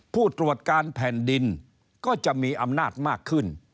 ผู้ตรวจการแผ่นดินก็จะมีอำนาจมากขึ้น